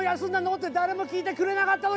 って誰も聞いてくれなかった時。